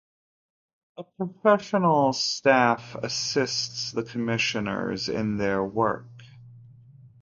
A professional staff assists the Commissioners in their work.